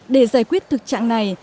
để giải quyết thực trạng này